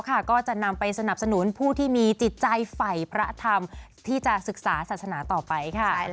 ก็จะนำไปสนับสนุนผู้ที่มีจิตใจฝ่ายพระธรรมที่จะศึกษาศาสนาต่อไปค่ะ